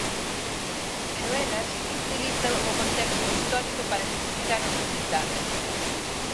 Pero ela si que utiliza o contexto histórico para xustificar o seu ditame.